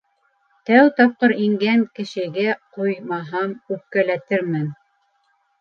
Тәү тапҡыр ингән кешегә ҡуймаһам, үпкәләтермен!